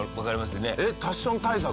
えっ立ちション対策？